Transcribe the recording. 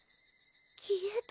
消えた？